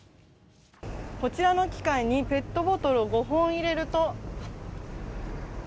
こちらの機械にペットボトルを５本入れると。